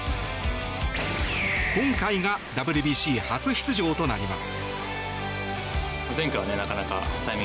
今回がＷＢＣ初出場となります。